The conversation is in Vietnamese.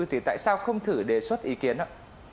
thì tại sao không thử đề xuất ý kiến ạ